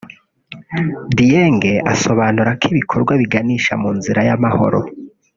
Dieng asobanura ko ibikorwa biganisha mu nzira y’amahoro